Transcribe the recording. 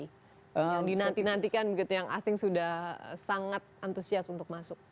yang dinantikan begitu yang asing sudah sangat antusias untuk masuk